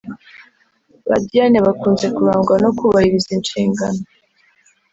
Ba Diane bakunze kurangwa no kubahiriza inshingano